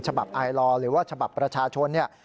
ฉบับไอลอร์หรือว่าฉบับประชาชนเนี่ย